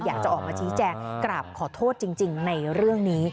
อยากจะออกมาชี้แจงกราบขอโทษจริงในเรื่องนี้